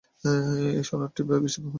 এ সনদটিই বেশি গ্রহণযোগ্য বলে আমি মনে করি।